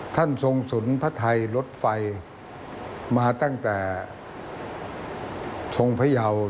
ทรงสุนพระไทยรถไฟมาตั้งแต่ทรงพยาว